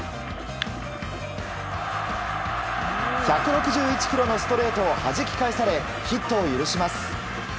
１６１キロのストレートをはじき返されヒットを許します。